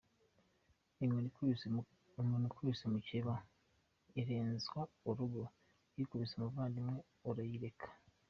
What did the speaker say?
Inkoni ikubise mukeba irenzwa urugo, ikubise umuvandimwe urayireka?.